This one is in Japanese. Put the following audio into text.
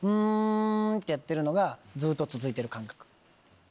んってやってるのがずっと続いてる感覚。